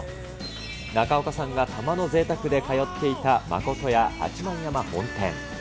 中岡さんがたまのぜいたくで通っていた誠屋八幡山本店。